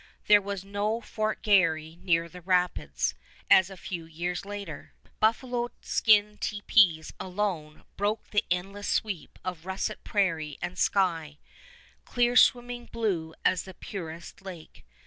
There was no Fort Garry near the rapids, as a few years later. Buffalo skin tepees alone broke the endless sweep of russet prairie and sky, clear swimming blue as the purest lake.